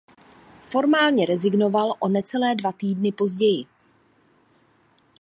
Formálně rezignoval o necelé dva týdny později.